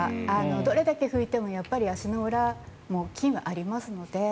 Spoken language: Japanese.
どれだけ拭いても足の裏も菌はありますので。